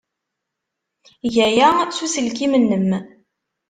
Eg aya s uselkim-nnem.